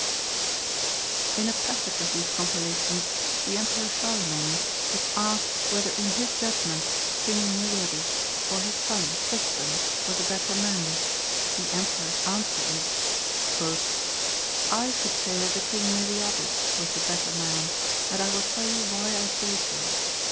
t In a passage of these compilations the Emperor Charlemagne is asked whether in his judgment King Meliadus or his son Tristan were the better man ? The Emperor's answer is : "I should say that the King Meliadus was the better man, and I will tell you why I say so.